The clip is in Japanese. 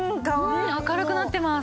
明るくなってます。